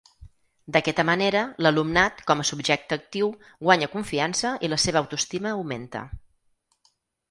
D'aquesta manera, l'alumnat, com a subjecte actiu, guanya confiança i la seva autoestima augmenta.